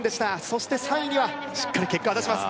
そして３位にはしっかり結果は出します